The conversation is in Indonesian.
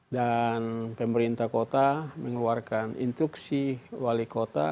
dan pemerintah kota mengeluarkan instruksi wali kota